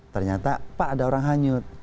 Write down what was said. ternyata pak ada orang hanyut